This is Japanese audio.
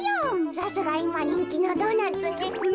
さすがいまにんきのドーナツね。